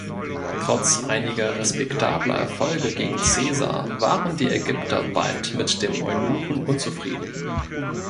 Trotz einiger respektabler Erfolge gegen Caesar waren die Ägypter bald mit dem Eunuchen unzufrieden.